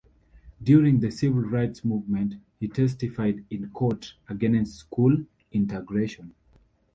During the civil rights movement, he testified in court against school integration.